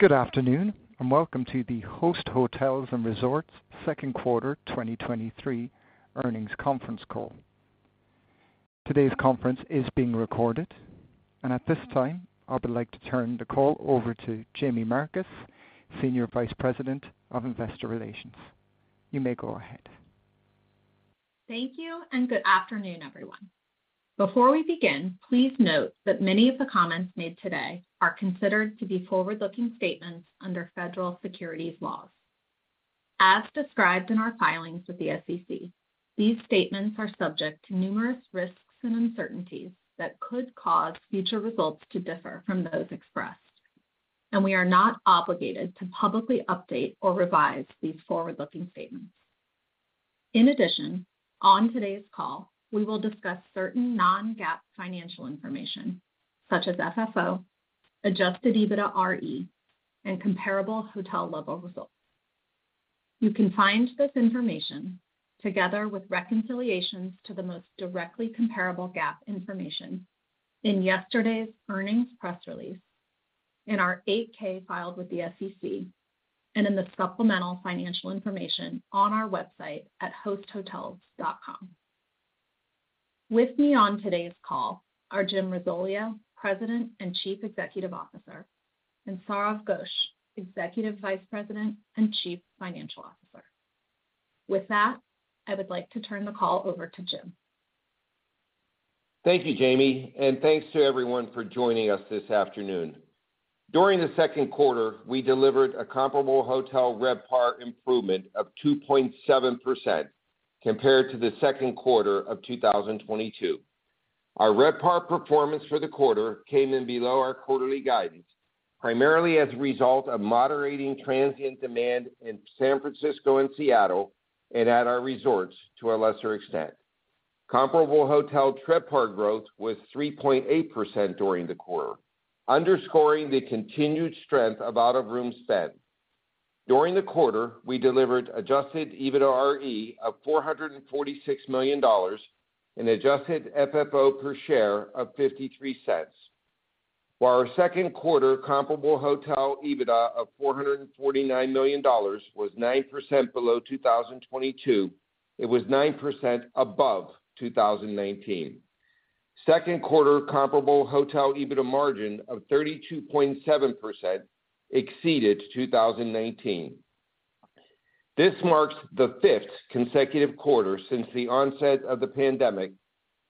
Good afternoon, and welcome to the Host Hotels & Resorts second quarter 2023 earnings conference call. Today's conference is being recorded. At this time, I would like to turn the call over to Jaime Marcus, Senior Vice President of Investor Relations. You may go ahead. Thank you. Good afternoon, everyone. Before we begin, please note that many of the comments made today are considered to be forward-looking statements under federal securities laws. As described in our filings with the SEC, these statements are subject to numerous risks and uncertainties that could cause future results to differ from those expressed. We are not obligated to publicly update or revise these forward-looking statements. In addition, on today's call, we will discuss certain non-GAAP financial information such as FFO, adjusted EBITDAre, and comparable hotel-level results. You can find this information, together with reconciliations to the most directly comparable GAAP information, in yesterday's earnings press release, in our 8-K filed with the SEC, and in the supplemental financial information on our website at hosthotels.com. With me on today's call are Jim Risoleo, President and Chief Executive Officer, and Sourav Ghosh, Executive Vice President and Chief Financial Officer. With that, I would like to turn the call over to Jim. Thank you, Jaime, and thanks to everyone for joining us this afternoon. During the second quarter, we delivered a comparable hotel RevPAR improvement of 2.7% compared to the second quarter of 2022. Our RevPAR performance for the quarter came in below our quarterly guidance, primarily as a result of moderating transient demand in San Francisco and Seattle and at our resorts to a lesser extent. Comparable hotel TRevPAR growth was 3.8% during the quarter, underscoring the continued strength of out-of-room spend. During the quarter, we delivered adjusted EBITDAre of $446 million and adjusted FFO per share of $0.53. While our second quarter comparable hotel EBITDA of $449 million was 9% below 2022, it was 9% above 2019. Second quarter comparable hotel EBITDA margin of 32.7% exceeded 2019. This marks the 5th consecutive quarter since the onset of the pandemic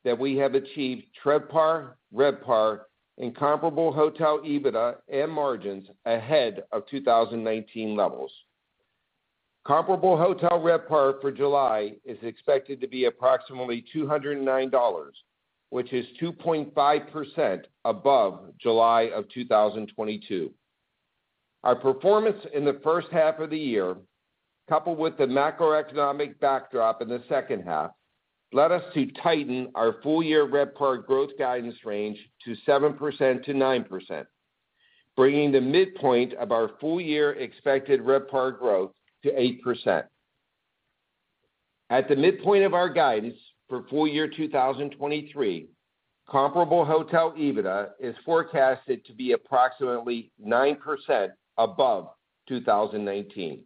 that we have achieved TRevPAR, RevPAR, and comparable hotel EBITDA and margins ahead of 2019 levels. Comparable hotel RevPAR for July is expected to be approximately $209, which is 2.5% above July of 2022. Our performance in the first half of the year, coupled with the macroeconomic backdrop in the second half, led us to tighten our full-year RevPAR growth guidance range to 7%-9%, bringing the midpoint of our full-year expected RevPAR growth to 8%. At the midpoint of our guidance for full year 2023, comparable hotel EBITDA is forecasted to be approximately 9% above 2019.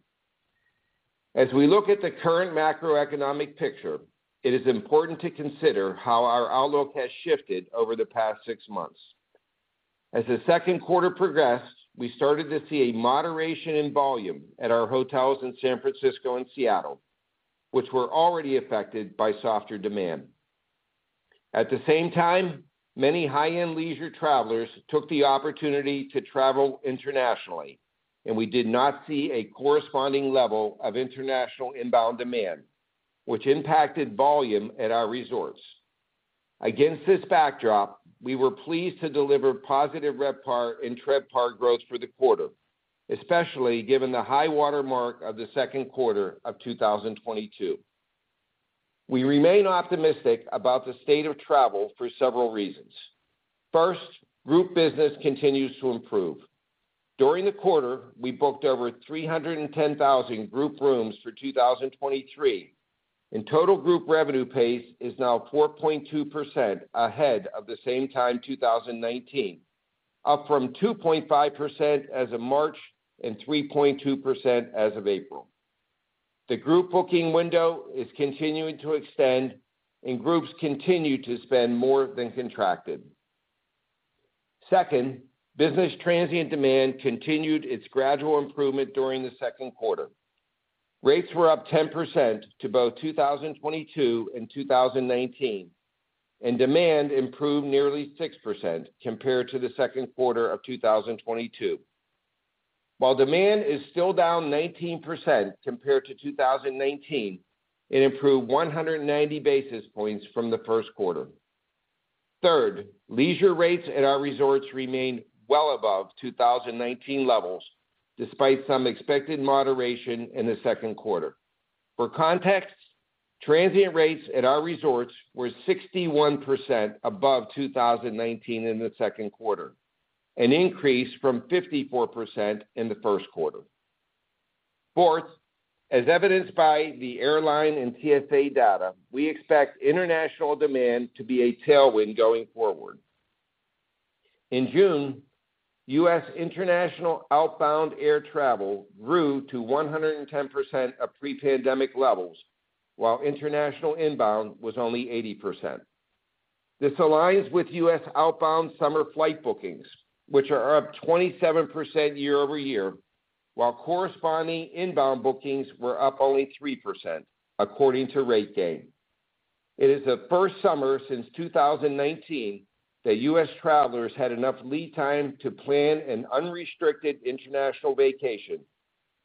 As we look at the current macroeconomic picture, it is important to consider how our outlook has shifted over the past six months. As the second quarter progressed, we started to see a moderation in volume at our hotels in San Francisco and Seattle, which were already affected by softer demand. At the same time, many high-end leisure travelers took the opportunity to travel internationally, we did not see a corresponding level of international inbound demand, which impacted volume at our resorts. Against this backdrop, we were pleased to deliver positive RevPAR and TRevPAR growth for the quarter, especially given the high watermark of the second quarter of 2022. We remain optimistic about the state of travel for several reasons. First, group business continues to improve. During the quarter, we booked over 310,000 group rooms for 2023, total group revenue pace is now 4.2% ahead of the same time, 2019, up from 2.5% as of March and 3.2% as of April. The group booking window is continuing to extend, groups continue to spend more than contracted. Second, business transient demand continued its gradual improvement during the second quarter. Rates were up 10% to both 2022 and 2019, demand improved nearly 6% compared to the second quarter of 2022. While demand is still down 19% compared to 2019, it improved 190 basis points from the first quarter. Third, leisure rates at our resorts remained well above 2019 levels, despite some expected moderation in the second quarter. For context, transient rates at our resorts were 61% above 2019 in the second quarter, an increase from 54% in the first quarter. Fourth, as evidenced by the airline and TSA data, we expect international demand to be a tailwind going forward. In June, U.S. international outbound air travel grew to 110% of pre-pandemic levels, while international inbound was only 80%. This aligns with U.S. outbound summer flight bookings, which are up 27% year-over-year, while corresponding inbound bookings were up only 3%, according to RateGain. It is the first summer since 2019 that U.S. travelers had enough lead time to plan an unrestricted international vacation.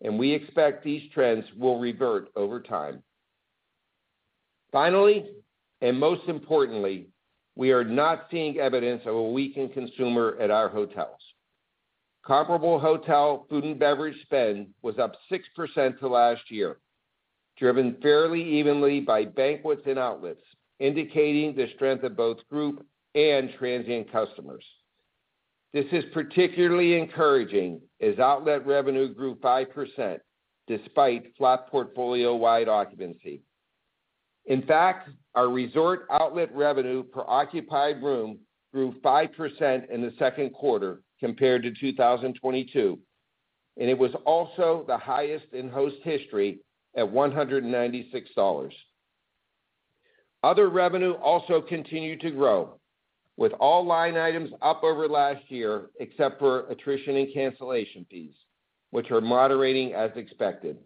We expect these trends will revert over time. Most importantly, we are not seeing evidence of a weakened consumer at our hotels. Comparable hotel food and beverage spend was up 6% to last year, driven fairly evenly by banquets and outlets, indicating the strength of both group and transient customers. This is particularly encouraging as outlet revenue grew 5% despite flat portfolio-wide occupancy. In fact, our resort outlet revenue per occupied room grew 5% in the second quarter compared to 2022. It was also the highest in Host history at $196. Other revenue also continued to grow, with all line items up over last year, except for attrition and cancellation fees, which are moderating as expected.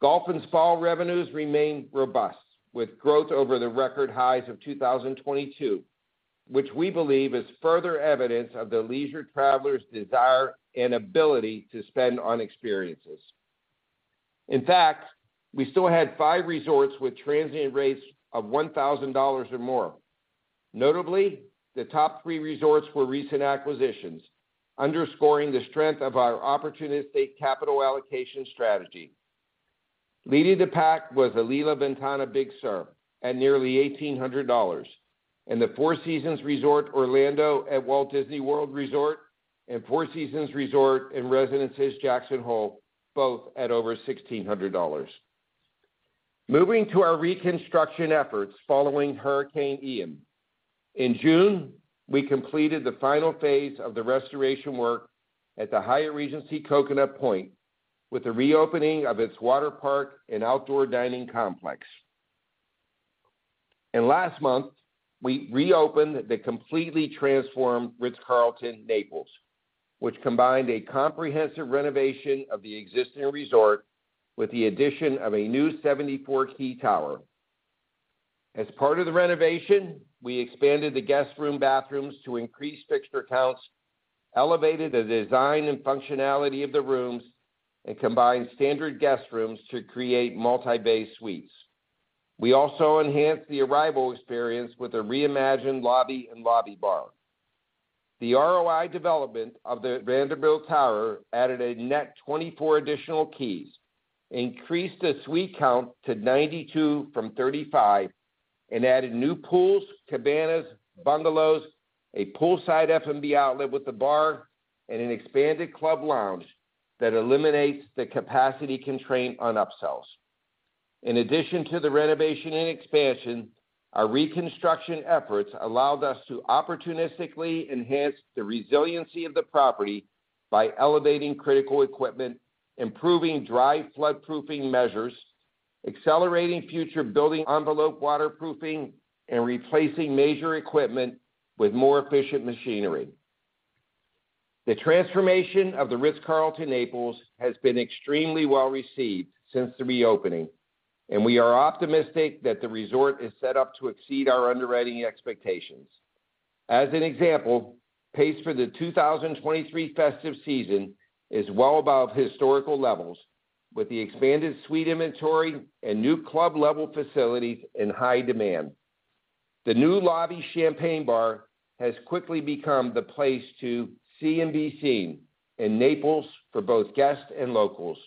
Golf and spa revenues remain robust, with growth over the record highs of 2022, which we believe is further evidence of the leisure traveler's desire and ability to spend on experiences. In fact, we still had five resorts with transient rates of $1,000 or more. Notably, the top three resorts were recent acquisitions, underscoring the strength of our opportunistic capital allocation strategy. Leading the pack was Alila Ventana Big Sur at nearly $1,800, and the Four Seasons Resort Orlando at Walt Disney World Resort and Four Seasons Resort and Residences Jackson Hole, both at over $1,600. Moving to our reconstruction efforts following Hurricane Ian. In June, we completed the final phase of the restoration work at the Hyatt Regency Coconut Point, with the reopening of its water park and outdoor dining complex. Last month, we reopened the completely transformed Ritz-Carlton Naples, which combined a comprehensive renovation of the existing resort with the addition of a new 74 key tower. As part of the renovation, we expanded the guest room bathrooms to increase fixture counts, elevated the design and functionality of the rooms, and combined standard guest rooms to create multi-bay suites. We also enhanced the arrival experience with a reimagined lobby and lobby bar. The ROI development of the Vanderbilt Tower added a net 24 additional keys, increased the suite count to 92 from 35, and added new pools, cabanas, bungalows, a poolside F&B outlet with a bar, and an expanded club lounge that eliminates the capacity constraint on upsells. In addition to the renovation and expansion, our reconstruction efforts allowed us to opportunistically enhance the resiliency of the property by elevating critical equipment, improving dry floodproofing measures, accelerating future building envelope waterproofing, and replacing major equipment with more efficient machinery. The transformation of The Ritz-Carlton Naples has been extremely well-received since the reopening. We are optimistic that the resort is set up to exceed our underwriting expectations. As an example, pace for the 2023 festive season is well above historical levels, with the expanded suite inventory and new club-level facilities in high demand. The new lobby champagne bar has quickly become the place to see and be seen in Naples for both guests and locals.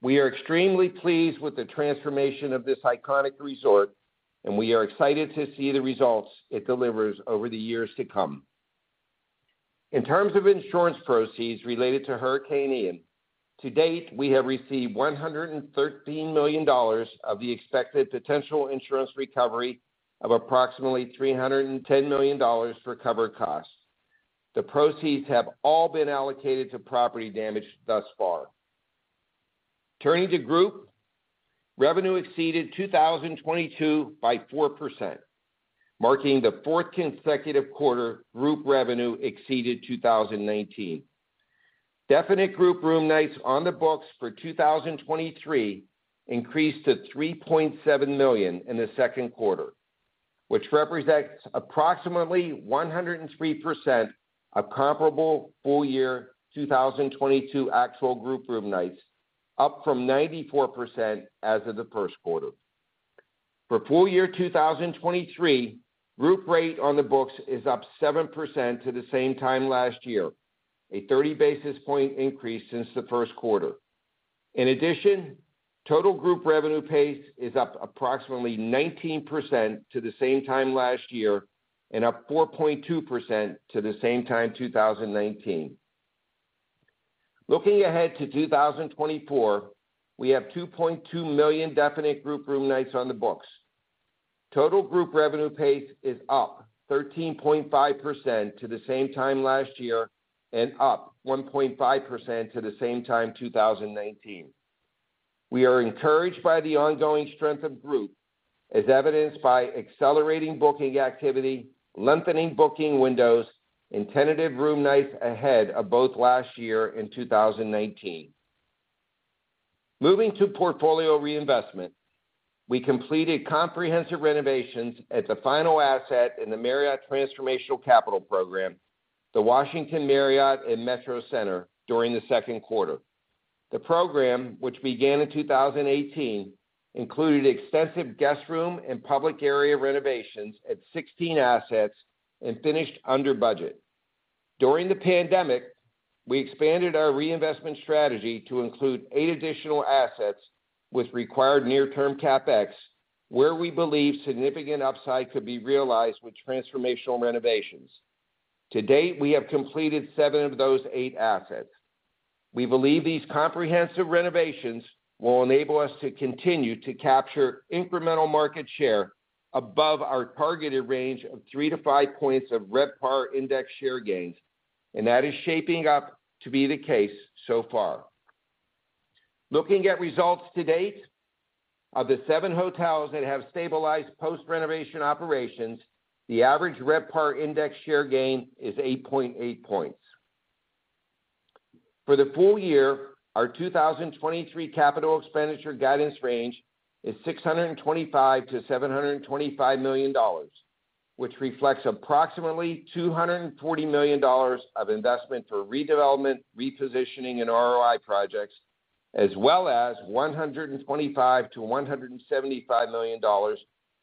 We are extremely pleased with the transformation of this iconic resort, and we are excited to see the results it delivers over the years to come. In terms of insurance proceeds related to Hurricane Ian, to date, we have received $113 million of the expected potential insurance recovery of approximately $310 million for covered costs. The proceeds have all been allocated to property damage thus far. Turning to group, revenue exceeded 2022 by 4%, marking the fourth consecutive quarter group revenue exceeded 2019. Definite group room nights on the books for 2023 increased to 3.7 million in the second quarter, which represents approximately 103% of comparable full year 2022 actual group room nights, up from 94% as of the first quarter. For full year 2023, group rate on the books is up 7% to the same time last year, a 30 basis points increase since the first quarter. In addition. Total group revenue pace is up approximately 19% to the same time last year, and up 4.2% to the same time, 2019. Looking ahead to 2024, we have 2.2 million definite group room nights on the books. Total group revenue pace is up 13.5% to the same time last year and up 1.5% to the same time, 2019. We are encouraged by the ongoing strength of group, as evidenced by accelerating booking activity, lengthening booking windows, and tentative room nights ahead of both last year in 2019. Moving to portfolio reinvestment, we completed comprehensive renovations at the final asset in the Marriott Transformational Capital Program, the Washington Marriott at Metro Center, during the second quarter. The program, which began in 2018, included extensive guest room and public area renovations at 16 assets and finished under budget. During the pandemic, we expanded our reinvestment strategy to include eight additional assets with required near-term CapEx, where we believe significant upside could be realized with transformational renovations. To date, we have completed seven of those eight assets. We believe these comprehensive renovations will enable us to continue to capture incremental market share above our targeted range of three to five points of RevPAR index share gains, and that is shaping up to be the case so far. Looking at results to date, of the seven hotels that have stabilized post-renovation operations, the average RevPAR Index share gain is 8.8 points. For the full year, our 2023 CapEx guidance range is $625 million-$725 million, which reflects approximately $240 million of investment for redevelopment, repositioning, and ROI projects, as well as $125 million-$175 million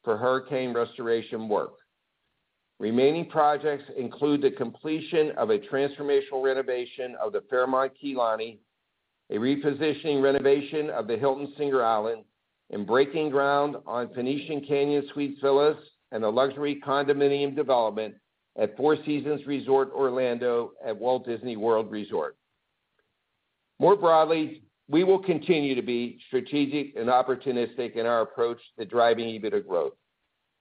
for hurricane restoration work. Remaining projects include the completion of a transformational renovation of the Fairmont Kea Lani, a repositioning renovation of the Hilton Singer Island, and breaking ground on Phoenician Canyon Suite Villas and a luxury condominium development at Four Seasons Resort Orlando at Walt Disney World Resort. More broadly, we will continue to be strategic and opportunistic in our approach to driving EBITDA growth.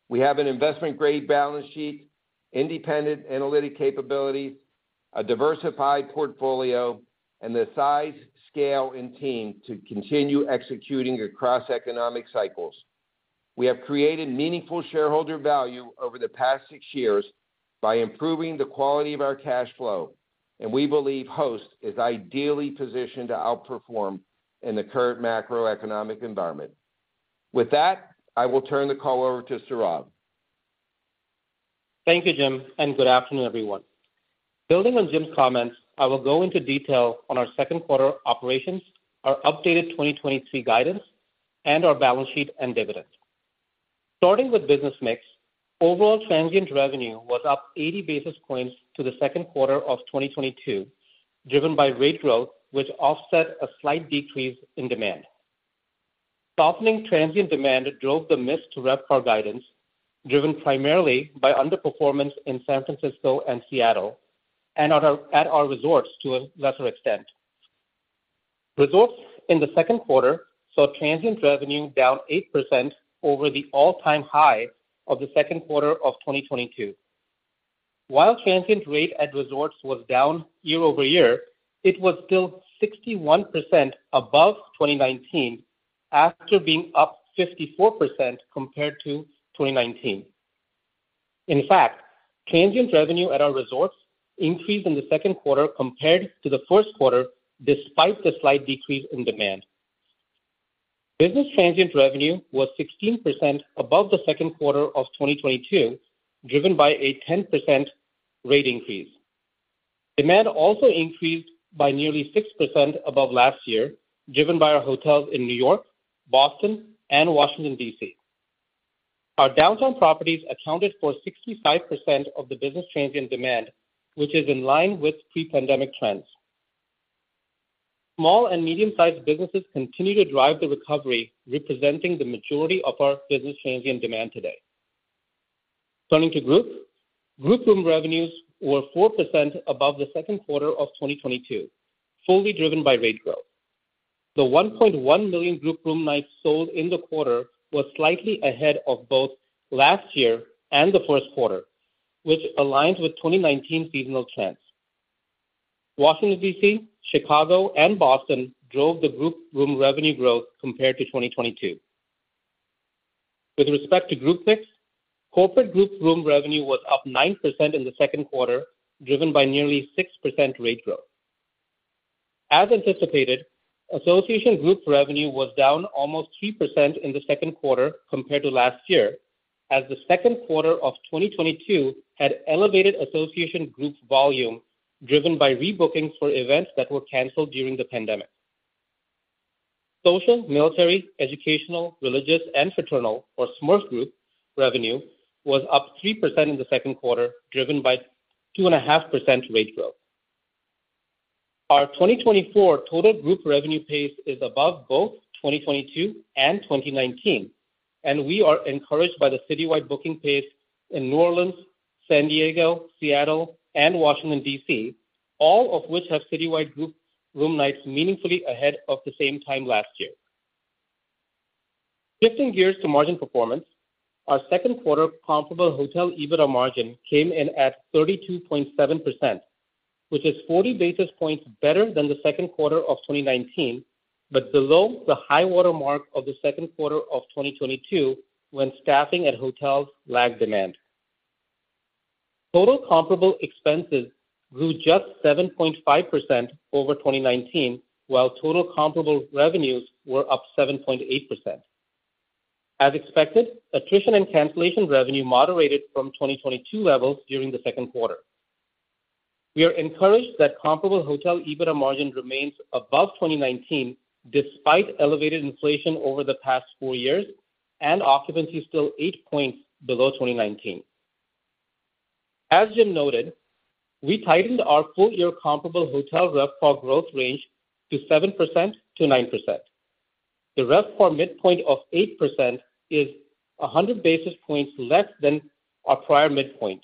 We have an investment-grade balance sheet, independent analytic capabilities, a diversified portfolio, and the size, scale, and team to continue executing across economic cycles. We have created meaningful shareholder value over the past 6 years by improving the quality of our cash flow, and we believe Host is ideally positioned to outperform in the current macroeconomic environment. With that, I will turn the call over to Sourav. Thank you, Jim. Good afternoon, everyone. Building on Jim's comments, I will go into detail on our second quarter operations, our updated 2023 guidance, and our balance sheet and dividends. Starting with business mix, overall transient revenue was up 80 basis points to the second quarter of 2022, driven by rate growth, which offset a slight decrease in demand. Softening transient demand drove the miss to RevPAR guidance, driven primarily by underperformance in San Francisco and Seattle, and at our resorts to a lesser extent. Resorts in the second quarter saw transient revenue down 8% over the all-time high of the second quarter of 2022. While transient rate at resorts was down year-over-year, it was still 61% above 2019, after being up 54% compared to 2019. In fact, transient revenue at our resorts increased in the second quarter compared to the first quarter, despite the slight decrease in demand. Business transient revenue was 16% above the second quarter of 2022, driven by a 10% rate increase. Demand also increased by nearly 6% above last year, driven by our hotels in New York, Boston, and Washington, D.C. Our downtown properties accounted for 65% of the business transient demand, which is in line with pre-pandemic trends. Small and medium-sized businesses continue to drive the recovery, representing the majority of our business transient demand today. Turning to group. Group room revenues were 4% above the second quarter of 2022, fully driven by rate growth. The 1.1 million group room nights sold in the quarter was slightly ahead of both last year and the first quarter, which aligns with 2019 seasonal trends. Washington, DC, Chicago, and Boston drove the group room revenue growth compared to 2022. With respect to group mix, corporate group room revenue was up 9% in the second quarter, driven by nearly 6% rate growth. As anticipated, association group revenue was down almost 3% in the second quarter compared to last year, as the second quarter of 2022 had elevated association group volume, driven by rebooking for events that were canceled during the pandemic. Social, military, educational, religious, and fraternal, or SMERF group revenue, was up 3% in the second quarter, driven by 2.5% rate growth. Our 2024 total group revenue pace is above both 2022 and 2019. We are encouraged by the citywide booking pace in New Orleans, San Diego, Seattle, and Washington, D.C., all of which have citywide group room nights meaningfully ahead of the same time last year. Shifting gears to margin performance, our second quarter comparable hotel EBITDA margin came in at 32.7%, which is 40 basis points better than the second quarter of 2019, but below the high water mark of the second quarter of 2022, when staffing at hotels lagged demand. Total comparable expenses grew just 7.5% over 2019, while total comparable revenues were up 7.8%. As expected, attrition and cancellation revenue moderated from 2022 levels during the second quarter. We are encouraged that comparable hotel EBITDA margin remains above 2019, despite elevated inflation over the past four years and occupancy still eight points below 2019. As Jim noted, we tightened our full year comparable hotel RevPAR growth range to 7%-9%. The RevPAR midpoint of 8% is 100 basis points less than our prior midpoint,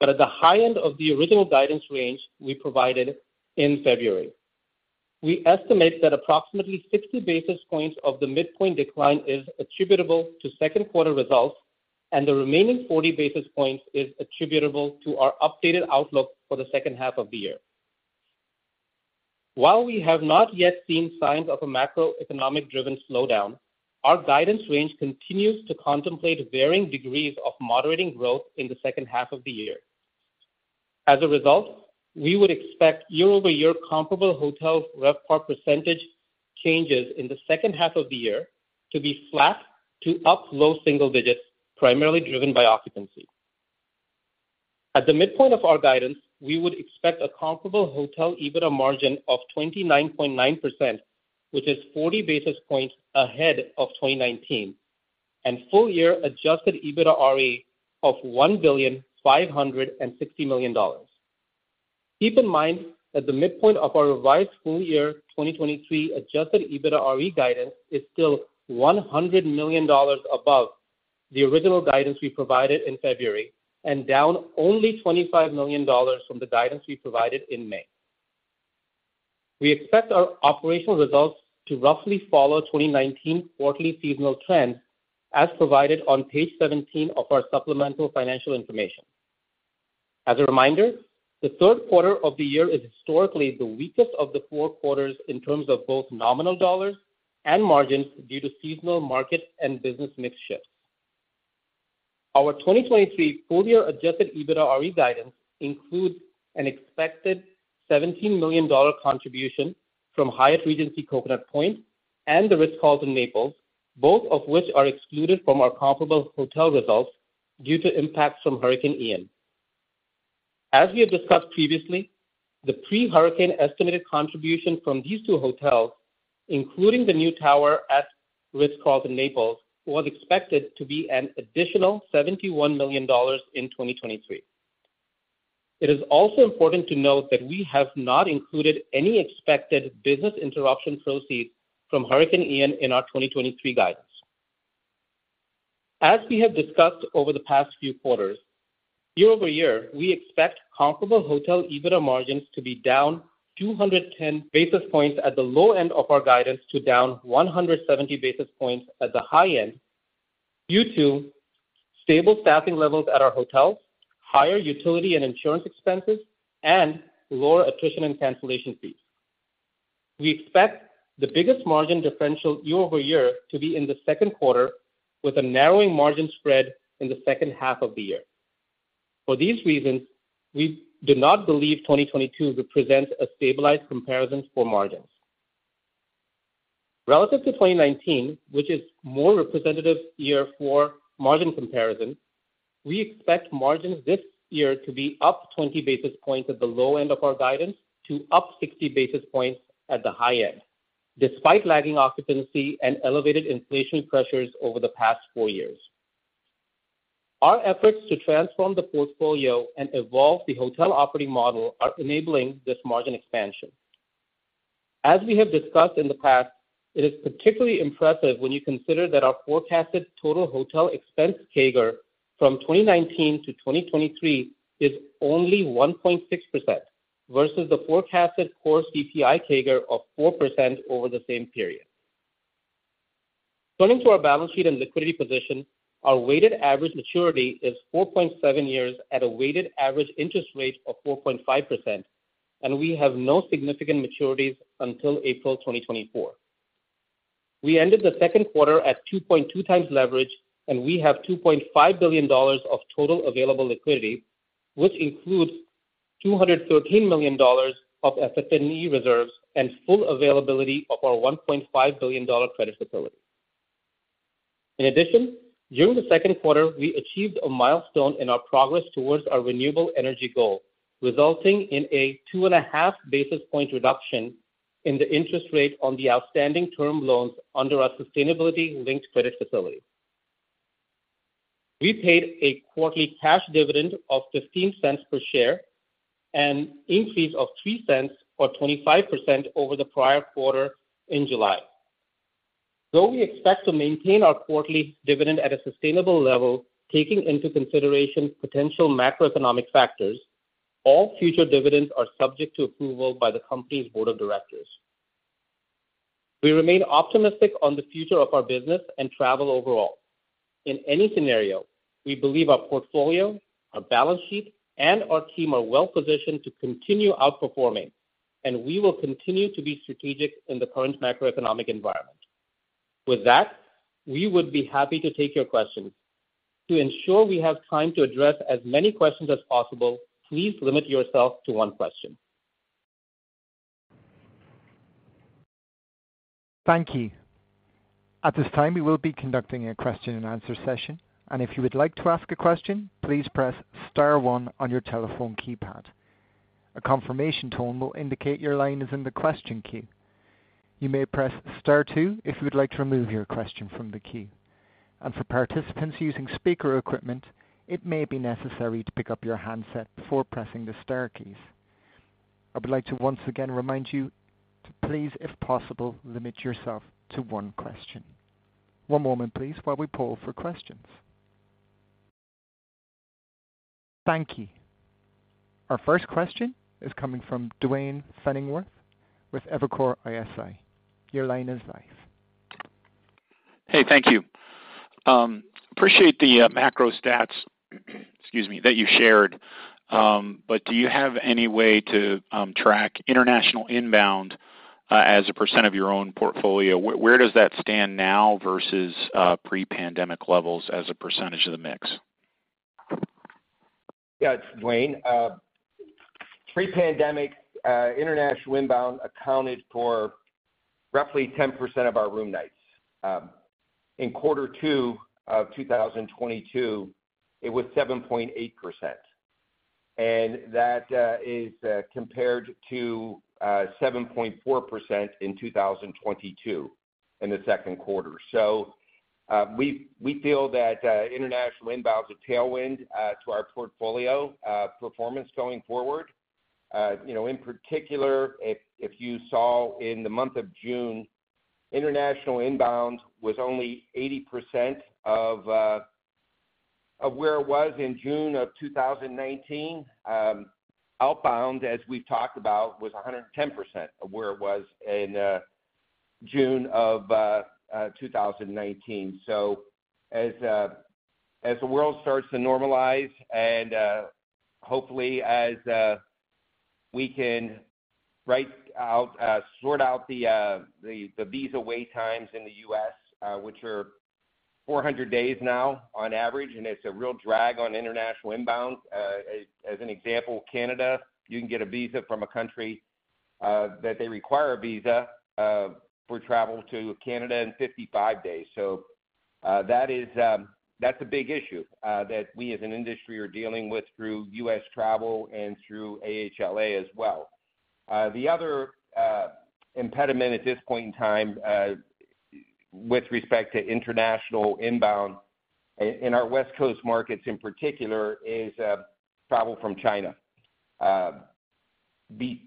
but at the high end of the original guidance range we provided in February. We estimate that approximately 60 basis points of the midpoint decline is attributable to second quarter results, and the remaining 40 basis points is attributable to our updated outlook for the second half of the year. While we have not yet seen signs of a macroeconomic-driven slowdown, our guidance range continues to contemplate varying degrees of moderating growth in the second half of the year. As a result, we would expect year-over-year comparable hotel RevPAR % changes in the second half of the year to be flat to up low single digits, primarily driven by occupancy. At the midpoint of our guidance, we would expect a comparable hotel EBITDA margin of 29.9%, which is 40 basis points ahead of 2019, and full year adjusted EBITDARE of $1.56 billion. Keep in mind that the midpoint of our revised full year 2023 adjusted EBITDARE guidance is still $100 million above the original guidance we provided in February, and down only $25 million from the guidance we provided in May. We expect our operational results to roughly follow 2019 quarterly seasonal trends, as provided on page 17 of our supplemental financial information. As a reminder, the third quarter of the year is historically the weakest of the four quarters in terms of both nominal dollars and margins due to seasonal market and business mix shifts. Our 2023 full year adjusted EBITDARE guidance includes an expected $17 million contribution from Hyatt Regency Coconut Point and the Ritz-Carlton Naples, both of which are excluded from our comparable hotel results due to impacts from Hurricane Ian. As we have discussed previously, the pre-hurricane estimated contribution from these two hotels, including the new tower at The Ritz-Carlton Naples, was expected to be an additional $71 million in 2023. It is also important to note that we have not included any expected business interruption proceeds from Hurricane Ian in our 2023 guidance. As we have discussed over the past few quarters, year-over-year, we expect comparable hotel EBITDA margins to be down 210 basis points at the low end of our guidance, to down 170 basis points at the high end, due to stable staffing levels at our hotels, higher utility and insurance expenses, and lower attrition and cancellation fees. We expect the biggest margin differential year-over-year to be in the second quarter, with a narrowing margin spread in the second half of the year. For these reasons, we do not believe 2022 represents a stabilized comparison for margins. Relative to 2019, which is more representative year for margin comparison, we expect margins this year to be up 20 basis points at the low end of our guidance to up 60 basis points at the high end, despite lagging occupancy and elevated inflation pressures over the past four years. Our efforts to transform the portfolio and evolve the hotel operating model are enabling this margin expansion. As we have discussed in the past, it is particularly impressive when you consider that our forecasted total hotel expense CAGR from 2019 to 2023 is only 1.6%, versus the forecasted core CPI CAGR of 4% over the same period. Turning to our balance sheet and liquidity position, our weighted average maturity is 4.7 years at a weighted average interest rate of 4.5%, and we have no significant maturities until April 2024. We ended the second quarter at 2.2 times leverage, and we have $2.5 billion of total available liquidity, which includes $213 million of FF&E reserves and full availability of our $1.5 billion credit facility. In addition, during the second quarter, we achieved a milestone in our progress towards our renewable energy goal, resulting in a 2.5 basis points reduction in the interest rate on the outstanding term loans under our sustainability linked credit facility.... We paid a quarterly cash dividend of $0.15 per share, an increase of $0.03 or 25% over the prior quarter in July. Though we expect to maintain our quarterly dividend at a sustainable level, taking into consideration potential macroeconomic factors, all future dividends are subject to approval by the company's board of directors. We remain optimistic on the future of our business and travel overall. In any scenario, we believe our portfolio, our balance sheet, and our team are well positioned to continue outperforming, and we will continue to be strategic in the current macroeconomic environment. With that, we would be happy to take your questions. To ensure we have time to address as many questions as possible, please limit yourself to one question. Thank you. At this time, we will be conducting a question-and-answer session. If you would like to ask a question, please press star one on your telephone keypad. A confirmation tone will indicate your line is in the question queue. You may press star two if you would like to remove your question from the queue. For participants using speaker equipment, it may be necessary to pick up your handset before pressing the star keys. I would like to once again remind you to please, if possible, limit yourself to one question. One moment, please, while we poll for questions. Thank you. Our first question is coming from Duane Pfennigwerth with Evercore ISI. Your line is live. Hey, thank you. Appreciate the macro stats, excuse me, that you shared. Do you have any way to track international inbound as a % of your own portfolio? Where, where does that stand now versus pre-pandemic levels as a % of the mix? Yeah, Duane, pre-pandemic, international inbound accounted for roughly 10% of our room nights. In quarter two of 2022, it was 7.8%, and that is compared to 7.4% in 2022 in the second quarter. We, we feel that international inbound is a tailwind to our portfolio performance going forward. You know, in particular, if, if you saw in the month of June, international inbound was only 80% of where it was in June of 2019. Outbound, as we've talked about, was 110% of where it was in June of 2019. As the world starts to normalize and hopefully as we can sort out the visa wait times in the U.S., which are 400 days now on average, and it's a real drag on international inbound. As an example, Canada, you can get a visa from a country that they require a visa for travel to Canada in 55 days. That is, that's a big issue that we as an industry are dealing with through U.S. travel and through AHLA as well. The other impediment at this point in time, with respect to international inbound in our West Coast markets in particular, is travel from China. The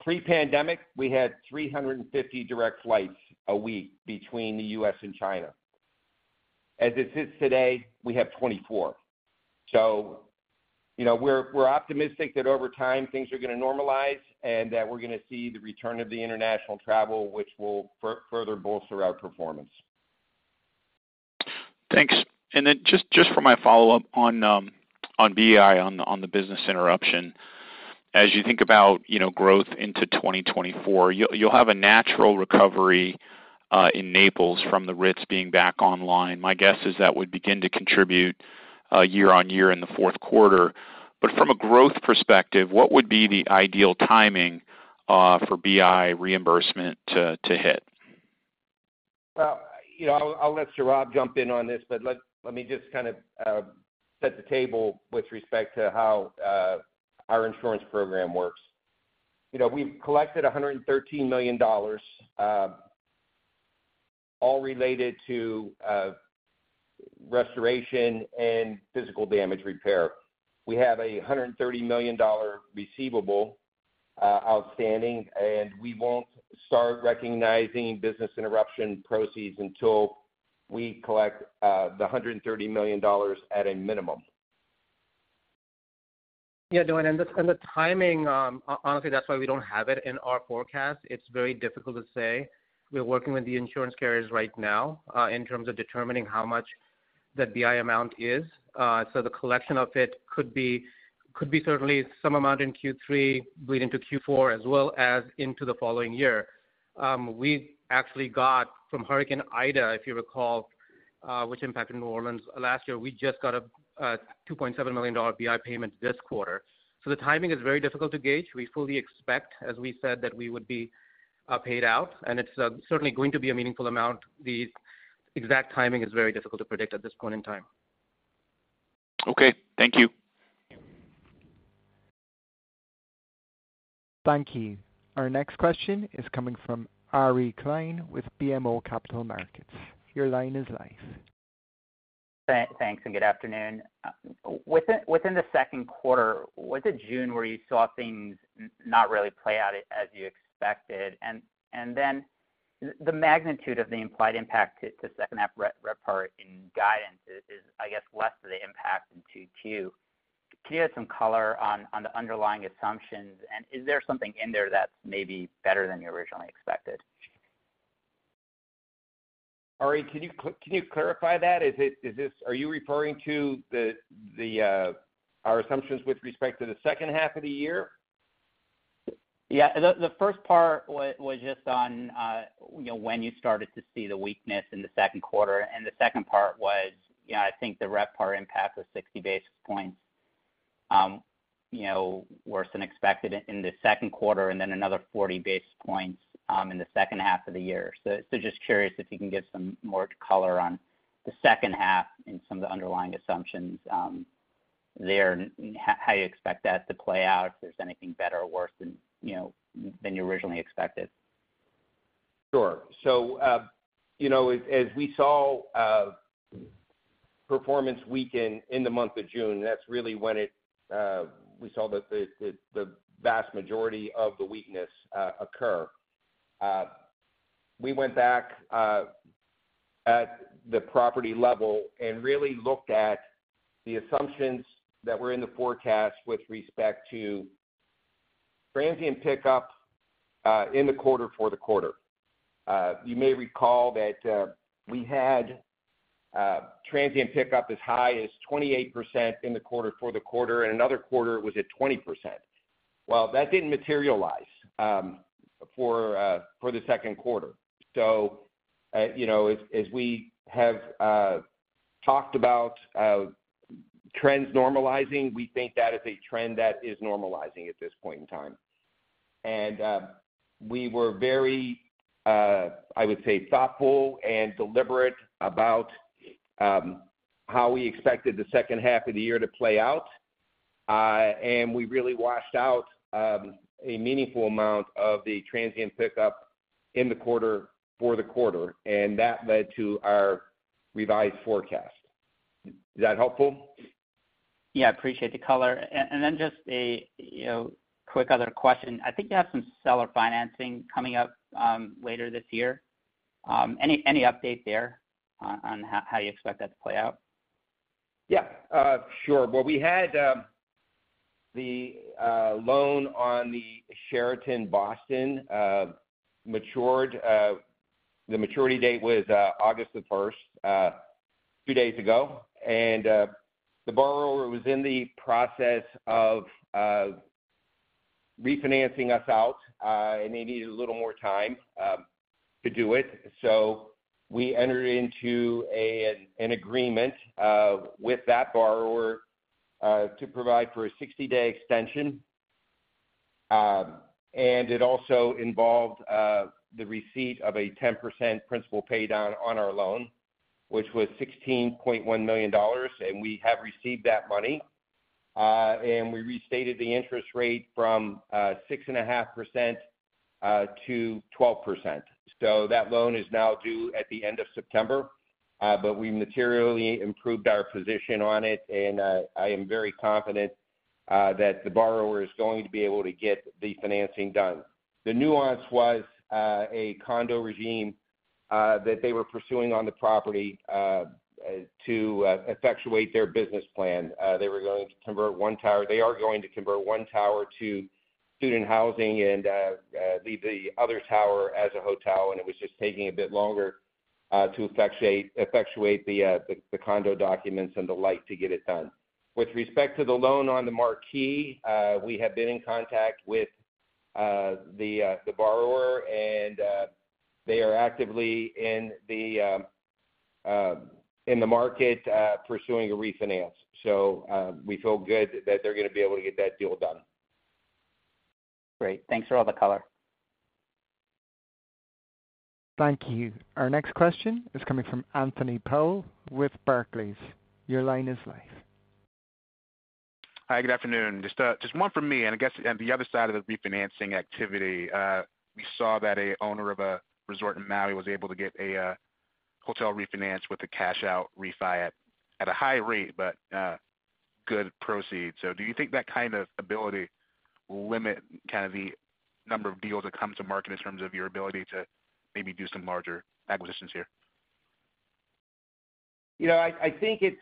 pre-pandemic, we had 350 direct flights a week between the U.S. and China. As it sits today, we have 24. You know, we're optimistic that over time, things are going to normalize, and that we're going to see the return of the international travel, which will further bolster our performance. Thanks. Then just for my follow-up on BI, on the business interruption. As you think about, you know, growth into 2024, you'll have a natural recovery in Naples from the Ritz being back online. My guess is that would begin to contribute year on year in the fourth quarter. From a growth perspective, what would be the ideal timing for BI reimbursement to hit? Well, you know, I'll, I'll let Sourav jump in on this, but let, let me just kind of set the table with respect to how our insurance program works. You know, we've collected $113 million, all related to restoration and physical damage repair. We have a $130 million receivable outstanding, we won't start recognizing business interruption proceeds until we collect the $130 million at a minimum. Yeah, Duane, and the timing, honestly, that's why we don't have it in our forecast. It's very difficult to say. We're working with the insurance carriers right now, in terms of determining how much the BI amount is. So the collection of it could be, could be certainly some amount in Q3 bleeding into Q4, as well as into the following year. We actually got from Hurricane Ida, if you recall, which impacted New Orleans last year, we just got a $2.7 million BI payment this quarter. The timing is very difficult to gauge. We fully expect, as we said, that we would be paid out, and it's certainly going to be a meaningful amount. The exact timing is very difficult to predict at this point in time. Okay. Thank you. Thank you. Our next question is coming from Ari Klein with BMO Capital Markets. Your line is live. Thanks, and good afternoon. Within, within the second quarter, was it June, where you saw things not really play out as you expected? Then the magnitude of the implied impact to second half RevPAR in guidance is I guess, less of the impact in Q2. Can you give some color on the underlying assumptions, and is there something in there that's maybe better than you originally expected? Ari, can you clarify that? Are you referring to the, the, our assumptions with respect to the second half of the year? Yeah. The, the first part was, was just on, you know, when you started to see the weakness in the second quarter. The second part was, you know, I think the RevPAR impact was 60 basis points, you know, worse than expected in the second quarter, and then another 40 basis points in the second half of the year. Just curious if you can give some more color on the second half and some of the underlying assumptions there, and how you expect that to play out, if there's anything better or worse than, you know, than you originally expected? Sure. You know, as, as we saw performance weaken in the month of June, that's really when it we saw the vast majority of the weakness occur. We went back at the property level and really looked at the assumptions that were in the forecast with respect to transient pickup in the quarter for the quarter. You may recall that we had transient pickup as high as 28% in the quarter for the quarter, and another quarter was at 20%. That didn't materialize for the second quarter. You know, as, as we have talked about trends normalizing, we think that is a trend that is normalizing at this point in time. We were very, I would say, thoughtful and deliberate about how we expected the second half of the year to play out. We really washed out a meaningful amount of the transient pickup in the quarter for the quarter, and that led to our revised forecast. Is that helpful? Yeah, I appreciate the color. Then just a, you know, quick other question. I think you have some seller financing coming up, later this year. Any, any update there on, on how, how you expect that to play out? Yeah, sure. Well, we had the loan on the Sheraton Boston matured. The maturity date was August 1st, two days ago. The borrower was in the process of refinancing us out, and they needed a little more time to do it. We entered into an agreement with that borrower to provide for a 60-day extension. It also involved the receipt of a 10% principal pay down on our loan, which was $16.1 million, and we have received that money. We restated the interest rate from 6.5% to 12%. That loan is now due at the end of September, but we materially improved our position on it, and I am very confident that the borrower is going to be able to get the financing done. The nuance was a condo regime that they were pursuing on the property to effectuate their business plan. They are going to convert one tower to student housing and leave the other tower as a hotel, and it was just taking a bit longer to effectuate, effectuate the, the, the condo documents and the like to get it done. With respect to the loan on the Marquis, we have been in contact with the borrower, and they are actively in the market, pursuing a refinance. We feel good that they're gonna be able to get that deal done. Great. Thanks for all the color. Thank you. Our next question is coming from Anthony Powell with Barclays. Your line is live. Hi, good afternoon. Just just one from me, and I guess on the other side of the refinancing activity, we saw that a owner of a resort in Maui was able to get a hotel refinance with a cash out refi at, at a high rate, but good proceeds. Do you think that kind of ability will limit kind of the number of deals that come to market in terms of your ability to maybe do some larger acquisitions here? You know, I, I think it's,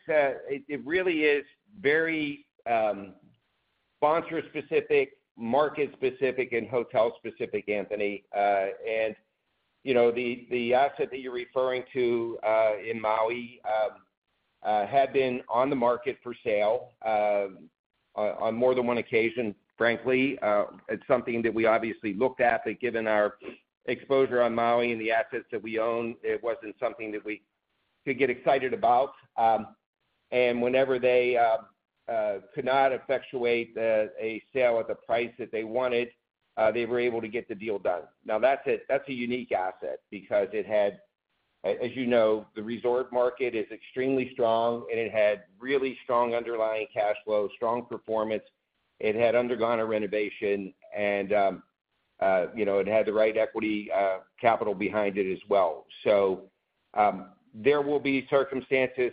it, it really is very, sponsor specific, market specific, and hotel specific, Anthony. you know, the, the asset that you're referring to, in Maui, had been on the market for sale, on, on more than one occasion, frankly. it's something that we obviously looked at, but given our exposure on Maui and the assets that we own, it wasn't something that we could get excited about. whenever they, could not effectuate the, a sale at the price that they wanted, they were able to get the deal done. that's a, that's a unique asset because it had. As you know, the resort market is extremely strong, and it had really strong underlying cash flow, strong performance. It had undergone a renovation, and, you know, it had the right equity, capital behind it as well. There will be circumstances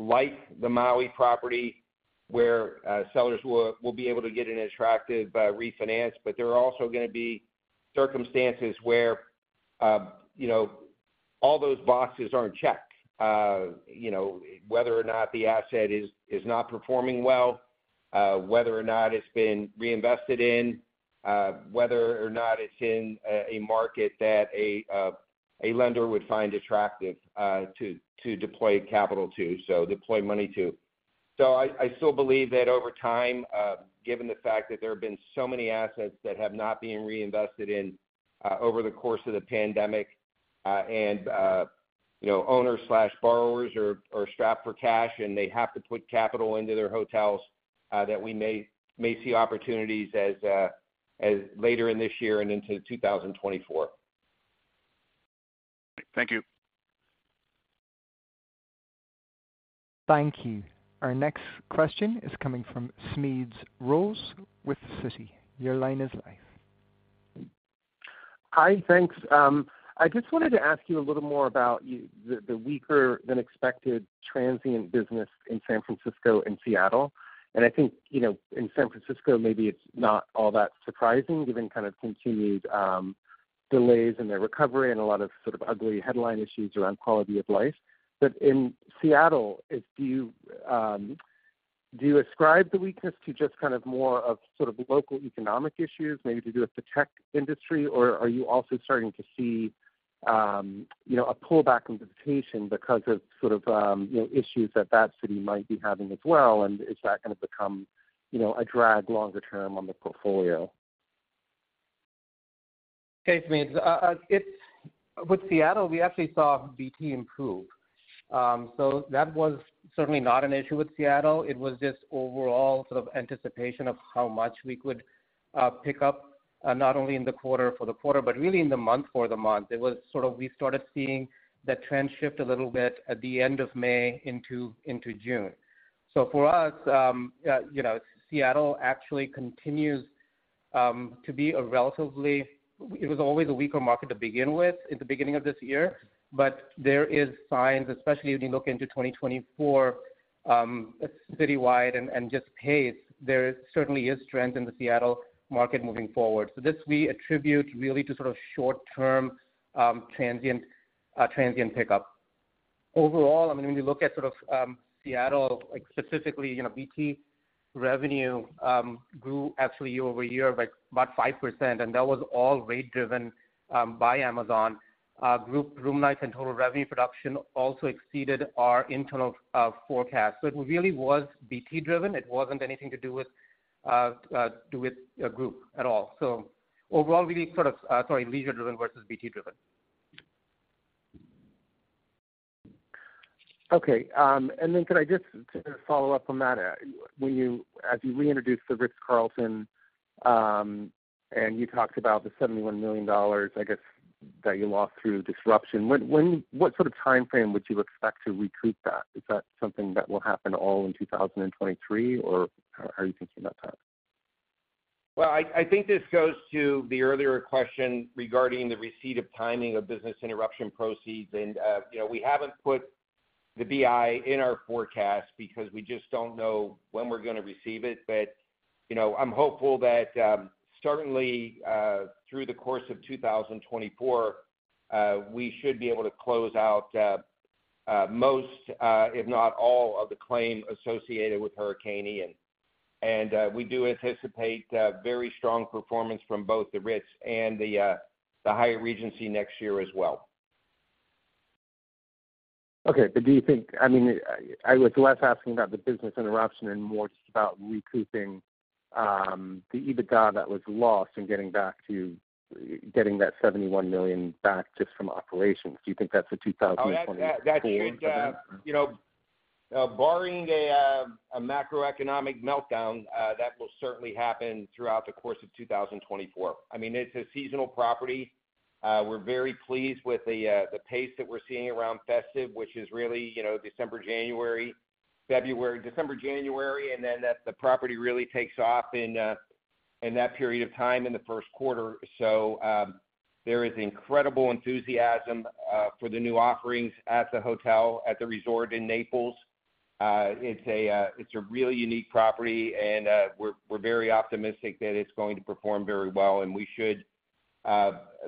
like the Maui property, where sellers will, will be able to get an attractive refinance, but there are also going to be circumstances where, you know, all those boxes aren't checked. You know, whether or not the asset is, is not performing well, whether or not it's been reinvested in, whether or not it's in a market that a lender would find attractive to, to deploy capital to, so deploy money to. I, I still believe that over time, given the fact that there have been so many assets that have not been reinvested in, over the course of the pandemic, and, you know, owner/borrowers are, are strapped for cash, and they have to put capital into their hotels, that we may, may see opportunities as, as later in this year and into 2024. Thank you. Thank you. Our next question is coming from Smedes Rose with Citi. Your line is live. Hi, thanks. I just wanted to ask you a little more about the, the weaker than expected transient business in San Francisco and Seattle. I think, you know, in San Francisco, maybe it's not all that surprising, given kind of continued delays in their recovery and a lot of sort of ugly headline issues around quality of life. In Seattle, if you, do you ascribe the weakness to just kind of more of sort of local economic issues, maybe to do with the tech industry? Are you also starting to see, you know, a pullback in visitation because of sort of, you know, issues that that city might be having as well, and is that going to become, you know, a drag longer term on the portfolio? Okay, Smedes. With Seattle, we actually saw BT improve. That was certainly not an issue with Seattle. It was just overall sort of anticipation of how much we could pick up not only in the quarter for the quarter, but really in the month for the month. It was sort of we started seeing the trend shift a little bit at the end of May into, into June. For us, you know, Seattle actually continues to be a relatively-- it was always a weaker market to begin with at the beginning of this year, but there is signs, especially as you look into 2024, citywide and, and just pace, there certainly is strength in the Seattle market moving forward. This we attribute really to sort of short-term, transient, transient pickup. Overall, I mean, when you look at sort of, Seattle, like specifically, you know, BT revenue, grew actually year-over-year by about 5%, and that was all rate driven, by Amazon. Group-- room nights and total revenue production also exceeded our internal, forecast. It really was BT driven. It wasn't anything to do with, do with a group at all. Overall, really sort of, sorry, leisure driven versus BT driven. Okay. Could I just follow up on that? When you-- as you reintroduced The Ritz-Carlton, and you talked about the $71 million, I guess, that you lost through disruption, when-- what sort of timeframe would you expect to recoup that? Is that something that will happen all in 2023, or how are you thinking about that? Well, I, I think this goes to the earlier question regarding the receipt of timing of business interruption proceeds. You know, we haven't put the BI in our forecast because we just don't know when we're going to receive it. You know, I'm hopeful that certainly through the course of 2024, we should be able to close out most, if not all, of the claim associated with Hurricane Ian. We do anticipate very strong performance from both the Ritz and the Hyatt Regency next year as well. Okay, do you think I mean, I was less asking about the business interruption and more just about recouping, the EBITDA that was lost and getting back to, getting that $71 million back just from operations. Do you think that's a 2024? That should, you know, barring a macroeconomic meltdown, that will certainly happen throughout the course of 2024. I mean, it's a seasonal property. We're very pleased with the pace that we're seeing around festive, which is really, you know, December, January, February. December, January, and then the property really takes off in that period of time in the first quarter. There is incredible enthusiasm for the new offerings at the hotel, at the resort in Naples. It's a really unique property, and we're very optimistic that it's going to perform very well. We should,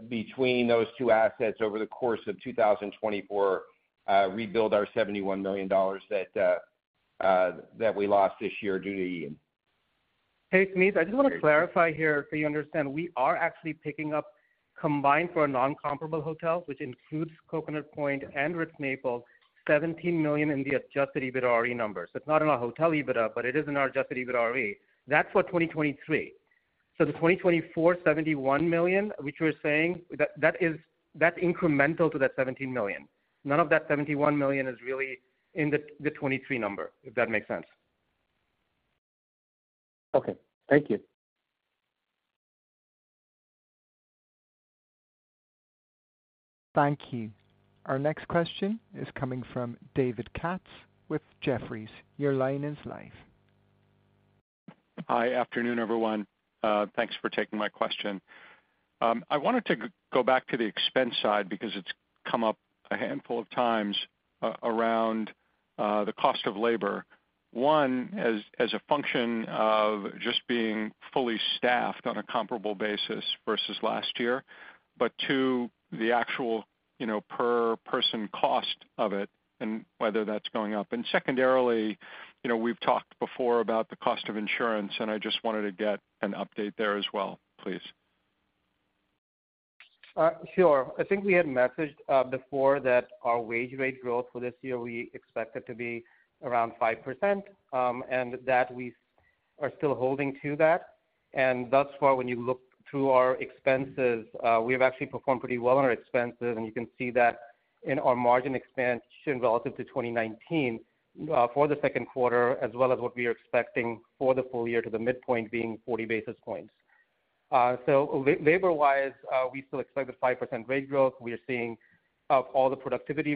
between those two assets over the course of 2024, rebuild our $71 million that we lost this year due to Ian. Hey, Smedes, I just want to clarify here, so you understand. We are actually picking up, combined for a non-comparable hotel, which includes Coconut Point and The Ritz-Carlton Naples, $17 million in the Adjusted EBITDA numbers. It's not in our hotel EBITDA, but it is in our Adjusted EBITDA. That's for 2023. The 2024 $71 million, which we're saying, that's incremental to that $17 million. None of that $71 million is really in the 2023 number, if that makes sense. Okay, thank you. Thank you. Our next question is coming from David Katz with Jefferies. Your line is live. Hi. Afternoon, everyone. Thanks for taking my question. I wanted to go back to the expense side because it's come up a handful of times around the cost of labor. One, as, as a function of just being fully staffed on a comparable basis versus last year, but two, the actual, you know, per person cost of it and whether that's going up. Secondarily, you know, we've talked before about the cost of insurance, and I just wanted to get an update there as well, please. Sure. I think we had messaged before that our wage rate growth for this year, we expect it to be around 5%, and that we are still holding to that. Thus far, when you look through our expenses, we've actually performed pretty well on our expenses, and you can see that in our margin expansion relative to 2019, for the second quarter, as well as what we are expecting for the full year to the midpoint being 40 basis points. Labor-wise, we still expect the 5% rate growth. We are seeing all the productivity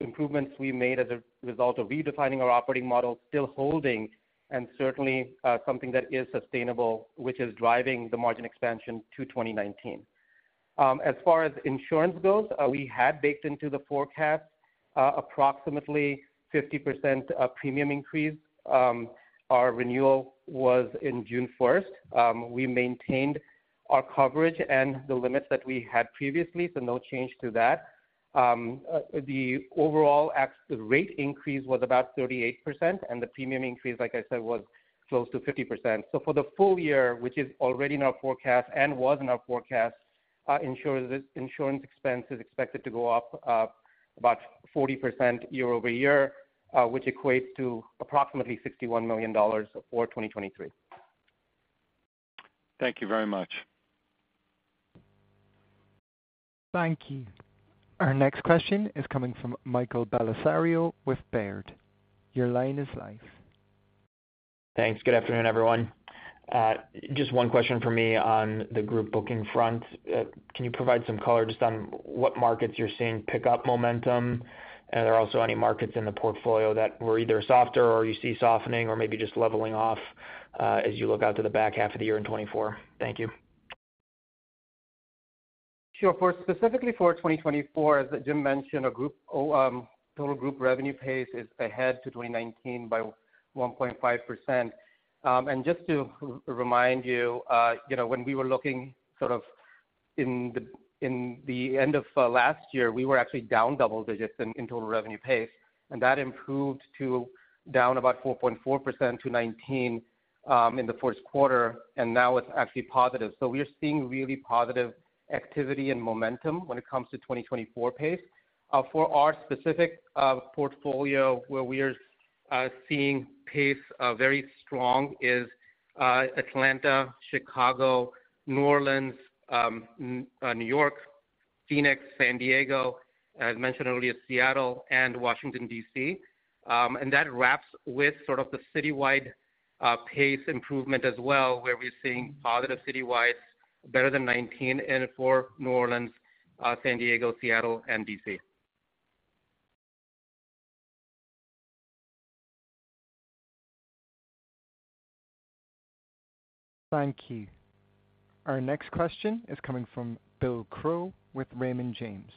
improvements we made as a result of redefining our operating model, still holding, and certainly, something that is sustainable, which is driving the margin expansion to 2019. As far as insurance goes, we had baked into the forecast, approximately 50% of premium increase. Our renewal was in June 1st. We maintained our coverage and the limits that we had previously, so no change to that. The overall rate increase was about 38%, and the premium increase, like I said, was close to 50%. For the full year, which is already in our forecast and was in our forecast, insurance, insurance expense is expected to go up, about 40% year-over-year, which equates to approximately $61 million for 2023. Thank you very much. Thank you. Our next question is coming from Michael Bellisario with Baird. Your line is live. Thanks. Good afternoon, everyone. Just one question for me on the group booking front. Can you provide some color just on what markets you're seeing pick up momentum? Are also any markets in the portfolio that were either softer or you see softening or maybe just leveling off, as you look out to the back half of the year in 2024? Thank you. Sure. For specifically for 2024, as Jim mentioned, our group, total group revenue pace is ahead to 2019 by 1.5%. And just to remind you, you know, when we were looking sort of in the, in the end of last year, we were actually down double digits in, in total revenue pace, and that improved to down about 4.4% to 2019 in the first quarter, and now it's actually positive. We are seeing really positive activity and momentum when it comes to 2024 pace. For our specific portfolio, where we are seeing pace very strong is Atlanta, Chicago, New Orleans, New York, Phoenix, San Diego, as mentioned earlier, Seattle, and Washington, D.C. That wraps with sort of the citywide pace improvement as well, where we're seeing positive citywide, better than 19, and for New Orleans, San Diego, Seattle, and D.C. Thank you. Our next question is coming from Bill Crow with Raymond James.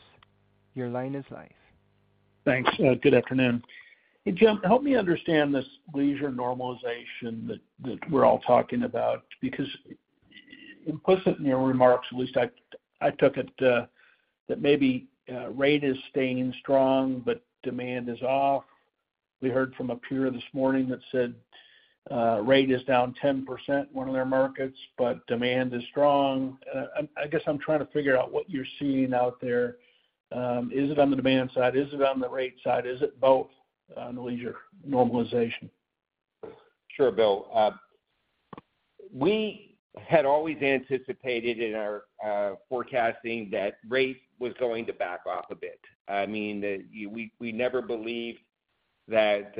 Your line is live. Thanks. Good afternoon. Hey, Jim, help me understand this leisure normalization that we're all talking about, because implicit in your remarks, at least I, I took it that maybe rate is staying strong, but demand is off. We heard from a peer this morning that said, rate is down 10%, one of their markets, but demand is strong. I, I guess I'm trying to figure out what you're seeing out there. Is it on the demand side? Is it on the rate side? Is it both, on the leisure normalization? Sure, Bill. We had always anticipated in our forecasting that rate was going to back off a bit. I mean, that we, we never believed that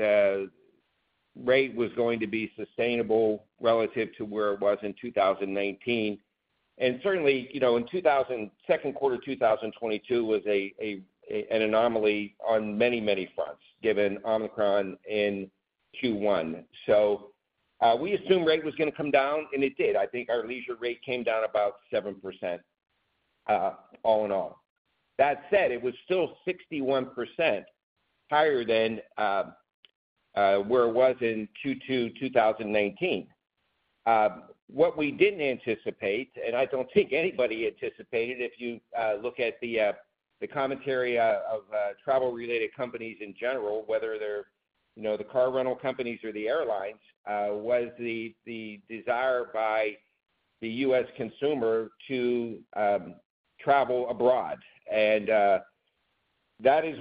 rate was going to be sustainable relative to where it was in 2019. Certainly, you know, in 2Q 2022 was a, a, a, an anomaly on many, many fronts, given Omicron in Q1. We assumed rate was going to come down, and it did. I think our leisure rate came down about 7% all in all. That said, it was still 61% higher than where it was in 2019. What we didn't anticipate, and I don't think anybody anticipated, if you look at the commentary of travel-related companies in general, whether they're, you know, the car rental companies or the airlines, was the desire by the U.S. consumer to travel abroad. That is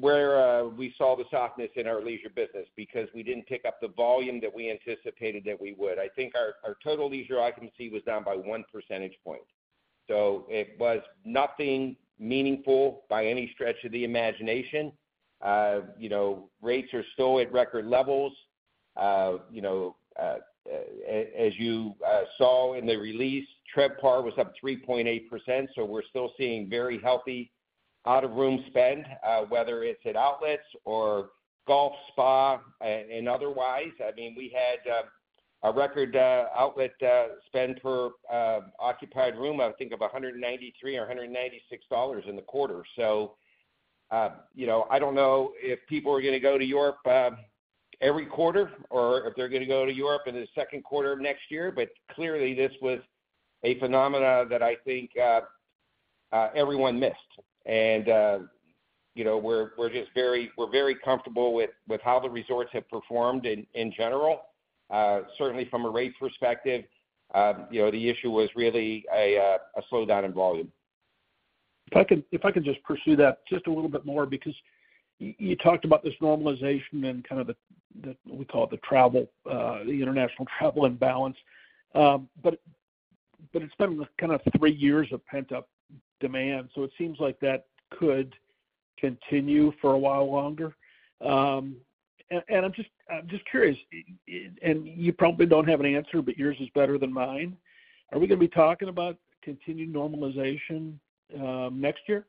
where we saw the softness in our leisure business, because we didn't pick up the volume that we anticipated that we would. I think our total leisure occupancy was down by one percentage point. It was nothing meaningful by any stretch of the imagination. You know, rates are still at record levels. You know, as you saw in the release, TRevPAR was up 3.8%, we're still seeing very healthy out-of-room spend, whether it's at outlets or golf, spa, and otherwise. I mean, we had a record outlet spend per occupied room, I think, of $193 or $196 in the quarter. You know, I don't know if people are gonna go to Europe every quarter or if they're gonna go to Europe in the second quarter of next year, but clearly, this was a phenomenon that I think everyone missed. You know, we're just very comfortable with how the resorts have performed in general. Certainly from a rate perspective, you know, the issue was really a slowdown in volume. If I could, if I could just pursue that just a little bit more because you talked about this normalization and kind of the, we call it the travel, the international travel imbalance. But it's been kind of three years of pent-up demand, so it seems like that could continue for a while longer. And I'm just, I'm just curious, and you probably don't have an answer, but yours is better than mine. Are we gonna be talking about continued normalization next year?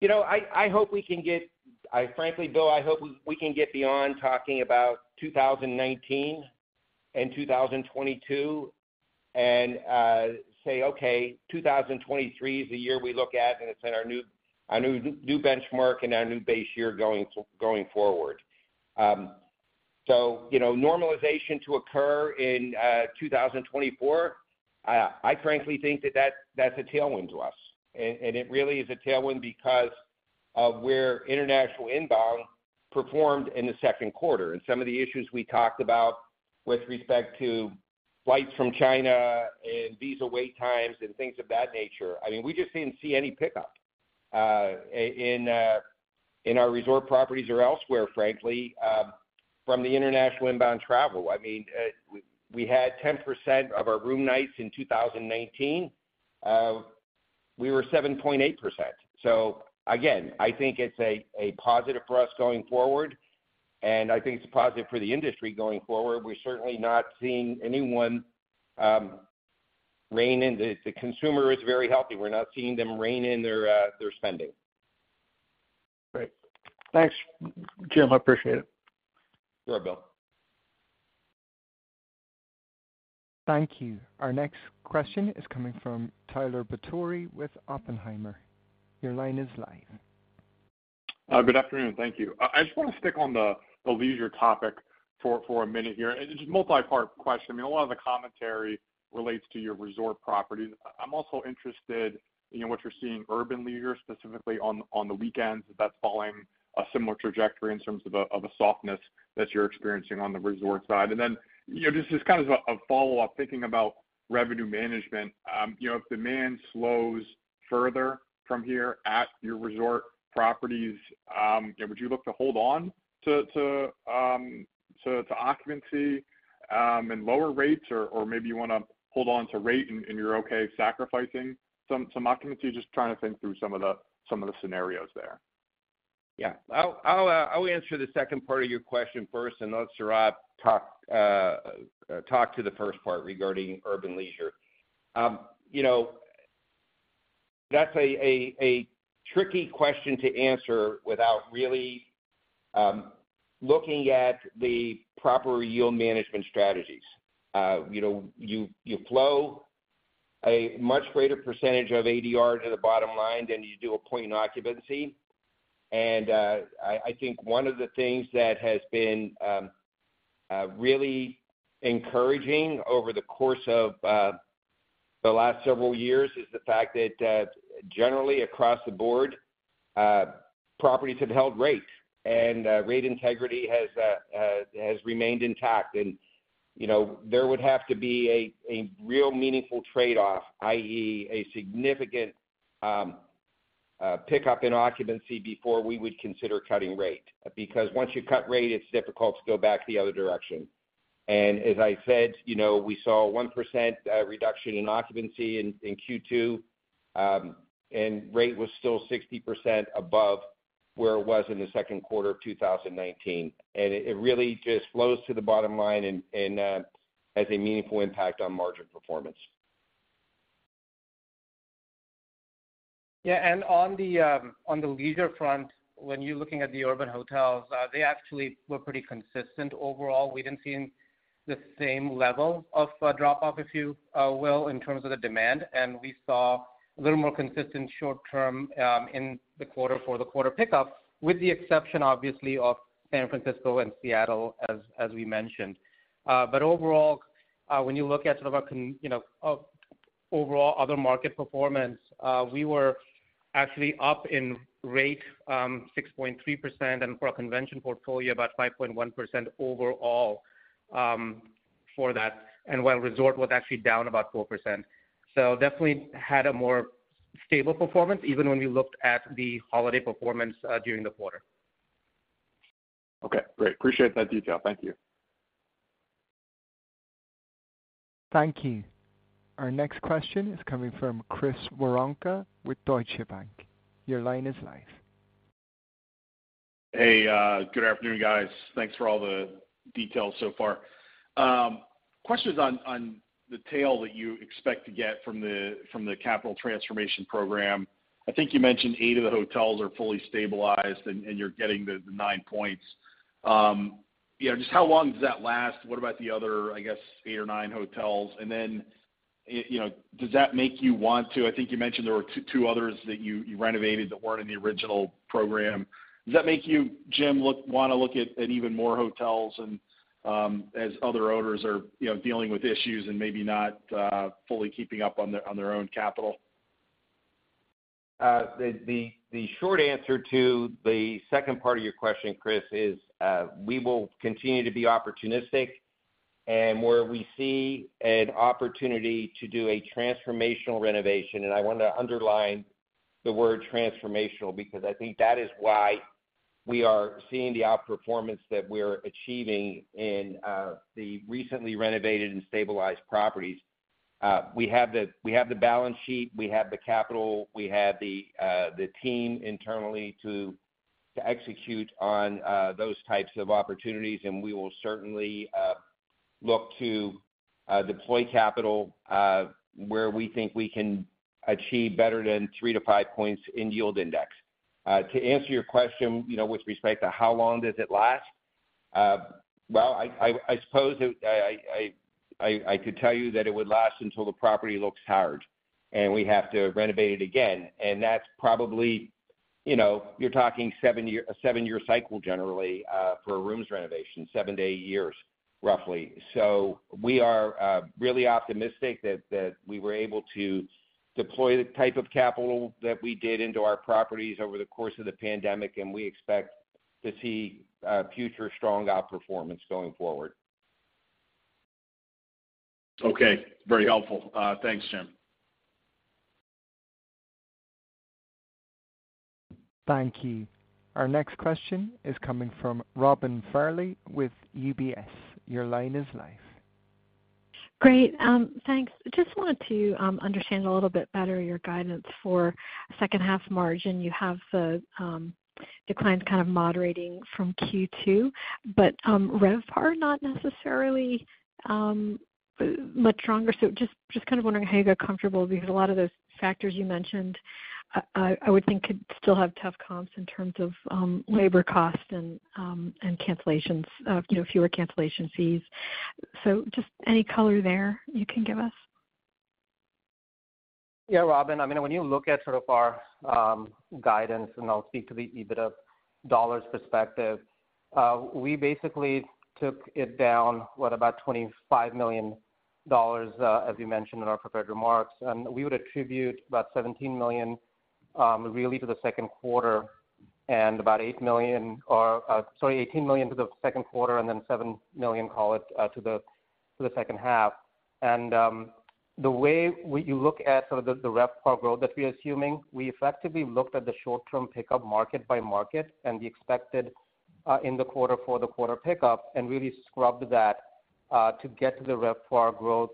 You know, I, I hope we can get I frankly, Bill, I hope we, we can get beyond talking about 2019 and 2022, and say, "Okay, 2023 is the year we look at, and it's in our new, our new, new benchmark and our new base year going forward." So, you know, normalization to occur in 2024, I frankly think that, that's a tailwind to us. It really is a tailwind because of where international inbound performed in the second quarter. Some of the issues we talked about with respect to flights from China and visa wait times and things of that nature, I mean, we just didn't see any pickup in our resort properties or elsewhere, frankly, from the international inbound travel. I mean, we had 10% of our room nights in 2019. We were 7.8%. Again, I think it's a, a positive for us going forward, and I think it's a positive for the industry going forward. We're certainly not seeing anyone rein in. The consumer is very healthy. We're not seeing them rein in their spending. Great. Thanks, Jim, I appreciate it. You're welcome. Thank you. Our next question is coming from Tyler Batory with Oppenheimer. Your line is live. Good afternoon. Thank you. I, I just want to stick on the, the leisure topic for, for a minute here. It's a multi-part question. I mean, a lot of the commentary relates to your resort properties. I'm also interested in what you're seeing urban leisure, specifically on, on the weekends, if that's following a similar trajectory in terms of a, of a softness that you're experiencing on the resort side. You know, just, just kind of a, a follow-up, thinking about revenue management. You know, if demand slows further from here at your resort properties, would you look to hold on to, to, to occupancy, and lower rates, or, or maybe you want to hold on to rate and, and you're okay sacrificing some, some occupancy? Just trying to think through some of the, some of the scenarios there. Yeah. I'll, I'll, I'll answer the second part of your question first, and let Sourav talk, talk to the first part regarding urban leisure. You know, that's a, a, a tricky question to answer without really, looking at the proper yield management strategies. You know, you, you flow a much greater percentage of ADR to the bottom line than you do a point in occupancy. I, I think one of the things that has been, really encouraging over the course of, the last several years is the fact that, generally across the board, properties have held rates, and rate integrity has remained intact. You know, there would have to be a, a real meaningful trade-off, i.e., a significant, pickup in occupancy before we would consider cutting rate. Because once you cut rate, it's difficult to go back the other direction. As I said, you know, we saw a 1% reduction in occupancy in Q2, and rate was still 60% above where it was in the second quarter of 2019. It, it really just flows to the bottom line and has a meaningful impact on margin performance. Yeah, and on the, on the leisure front, when you're looking at the urban hotels, they actually were pretty consistent overall. We didn't see the same level of drop off, if you will, in terms of the demand, and we saw a little more consistent short term, in the quarter for the quarter pickup, with the exception, obviously, of San Francisco and Seattle, as we mentioned. Overall, when you look at sort of our you know, overall other market performance, we were actually up in rate, 6.3%, and for our convention portfolio, about 5.1% overall, for that, and while resort was actually down about 4%. Definitely had a more stable performance, even when we looked at the holiday performance, during the quarter. Okay, great. Appreciate that detail. Thank you. Thank you. Our next question is coming from Chris Woronka with Deutsche Bank. Your line is live. Hey, good afternoon, guys. Thanks for all the details so far. Questions on, on the tail that you expect to get from the, from the capital transformation program. I think you mentioned eight of the hotels are fully stabilized and you're getting the nine points. You know, just how long does that last? What about the other, I guess, eight or nine hotels? You know, does that make you want to? I think you mentioned there were two others that you renovated that weren't in the original program. Does that make you, Jim, wanna look at even more hotels and, as other owners are, you know, dealing with issues and maybe not fully keeping up on their own capital? The, the, the short answer to the second part of your question, Chris, is, we will continue to be opportunistic. Where we see an opportunity to do a transformational renovation, and I want to underline the word transformational, because I think that is why we are seeing the outperformance that we're achieving in, the recently renovated and stabilized properties. We have the, we have the balance sheet, we have the capital, we have the, the team internally to, to execute on, those types of opportunities, and we will certainly, look to, deploy capital, where we think we can achieve better than three to five points in yield index. To answer your question, you know, with respect to how long does it last? Well, I, I, I suppose I, I, I, I could tell you that it would last until the property looks hard, and we have to renovate it again, and that's probably, you know, you're talking a seven-year cycle generally, for a rooms renovation, seven to eight years, roughly. We are really optimistic that, that we were able to deploy the type of capital that we did into our properties over the course of the pandemic, and we expect to see future strong outperformance going forward. Okay. Very helpful. Thanks, Jim. Thank you. Our next question is coming from Robin Farley with UBS. Your line is live. Great, thanks. Just wanted to understand a little bit better your guidance for second half margin. You have the declines kind of moderating from Q2, but RevPAR not necessarily much stronger. Just, just kind of wondering how you got comfortable because a lot of those factors you mentioned, I, I, I would think could still have tough comps in terms of labor costs and and cancellations, you know, fewer cancellation fees. Just any color there you can give us? Yeah, Robin, I mean, when you look at sort of our guidance, I'll speak to the EBITDA dollars perspective, we basically took it down, what, about $25 million, as we mentioned in our prepared remarks. We would attribute about $17 million, really to the second quarter and about $8 million or, sorry, $18 million to the second quarter and then $7 million, call it, to the second half. The way we -- you look at sort of the RevPAR growth that we're assuming, we effectively looked at the short-term pickup market by market and the expected, in the quarter for the quarter pickup and really scrubbed that, to get to the RevPAR growth,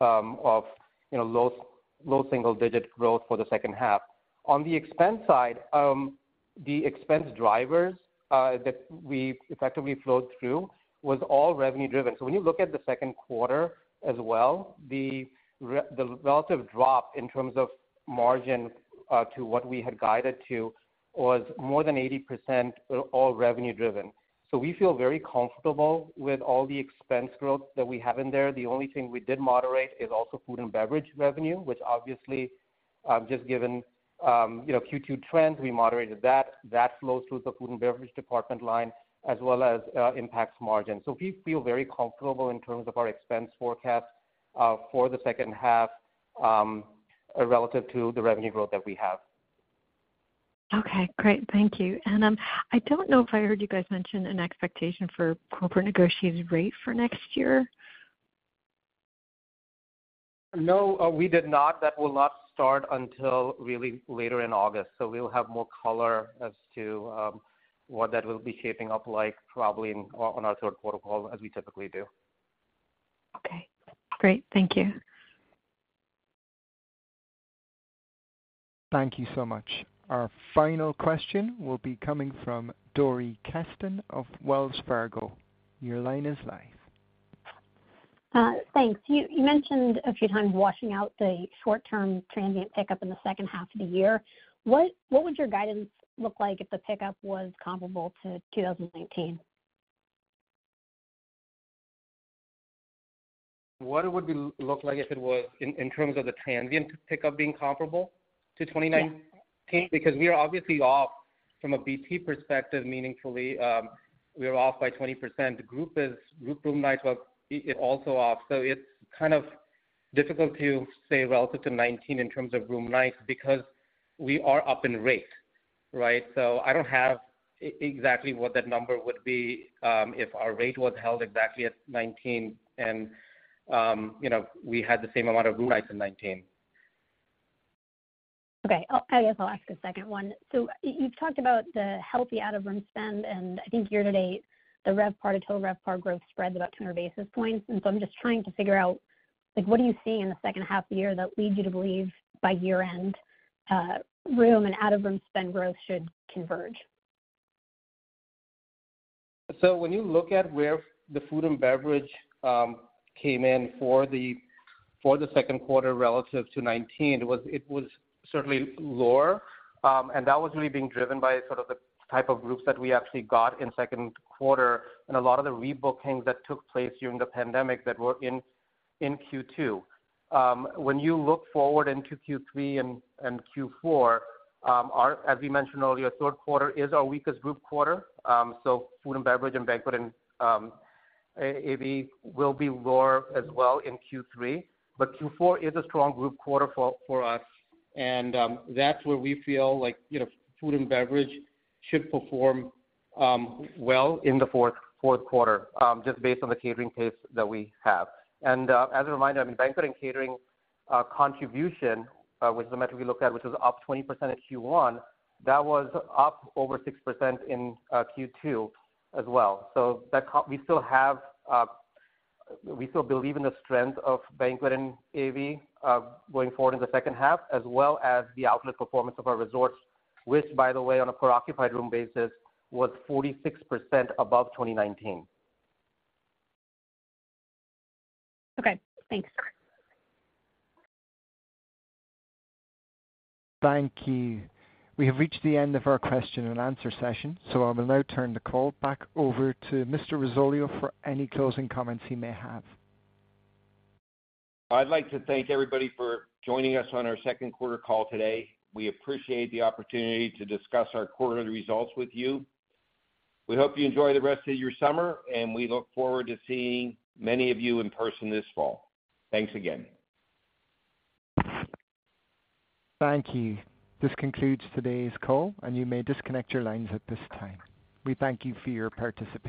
of, you know, low, low single-digit growth for the second half. On the expense side, the expense drivers that we effectively flowed through was all revenue driven. When you look at the second quarter as well, the relative drop in terms of margin, to what we had guided to was more than 80% all revenue driven. We feel very comfortable with all the expense growth that we have in there. The only thing we did moderate is also food and beverage revenue, which obviously, just given, you know, Q2 trends, we moderated that. That flows through the food and beverage department line as well as impacts margin. We feel very comfortable in terms of our expense forecast for the second half, relative to the revenue growth that we have. Okay, great. Thank you. I don't know if I heard you guys mention an expectation for corporate negotiated rate for next year? No, we did not. That will not start until really later in August. We'll have more color as to what that will be shaping up like probably in, on our third quarter call, as we typically do. Okay, great. Thank you. Thank you so much. Our final question will be coming from Dori Kesten of Wells Fargo. Your line is live. Thanks. You mentioned a few times washing out the short-term transient pickup in the second half of the year. What would your guidance look like if the pickup was comparable to 2019? What it would look like if it was in terms of the transient pickup being comparable to 2019? Yes. Because we are obviously off from a BP perspective, meaningfully, we are off by 20%. Group is, group room nights are also off, so it's kind of difficult to say relative to 2019 in terms of room nights, because we are up in rate, right? I don't have exactly what that number would be, if our rate was held exactly at 2019 and, you know, we had the same amount of room nights in 2019. Okay, I'll, I guess I'll ask a second one. You've talked about the healthy out-of-room spend, and I think year-to-date, the RevPAR to total RevPAR growth spread is about 200 basis points. I'm just trying to figure out, like, what are you seeing in the second half of the year that leads you to believe by year-end, room and out-of-room spend growth should converge? When you look at where the food and beverage came in for the second quarter relative to 2019, it was certainly lower. That was really being driven by sort of the type of groups that we actually got in second quarter and a lot of the rebookings that took place during the pandemic that were in Q2. When you look forward into Q3 and Q4, our, as we mentioned earlier, third quarter is our weakest group quarter. Food and beverage and banquet and AV will be lower as well in Q3. Q4 is a strong group quarter for us, and that's where we feel like, you know, food and beverage should perform well in the fourth quarter, just based on the catering pace that we have. As a reminder, banquet and catering contribution, which is the metric we looked at, which was up 20% in Q1, that was up over 6% in Q2 as well. We still have, we still believe in the strength of banquet and AV going forward in the second half, as well as the outlet performance of our resorts, which, by the way, on a per occupied room basis, was 46% above 2019. Okay, thanks. Thank you. We have reached the end of our question and answer session, so I will now turn the call back over to Mr. Risoleo for any closing comments he may have. I'd like to thank everybody for joining us on our second quarter call today. We appreciate the opportunity to discuss our quarterly results with you. We hope you enjoy the rest of your summer, and we look forward to seeing many of you in person this fall. Thanks again. Thank you. This concludes today's call, and you may disconnect your lines at this time. We thank you for your participation.